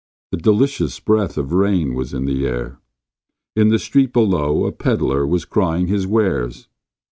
The delicious breath of rain was in the air. In the street below a peddler was crying his wares.